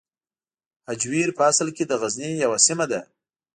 هجویر په اصل کې د غزني یوه سیمه ده.